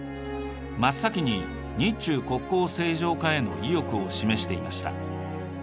真っ先に日中国交正常化への意欲を示していました。